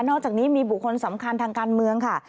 อกจากนี้มีบุคคลสำคัญทางการเมืองค่ะ